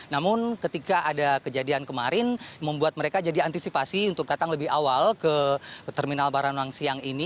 namun ketika ada kejadian kemarin membuat mereka jadi antisipasi untuk datang lebih awal ke terminal baranang siang ini